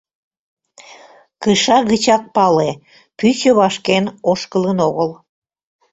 Кыша гычак пале: пӱчӧ вашкен ошкылын огыл.